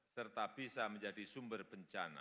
serta bisa menjadi sumber bencana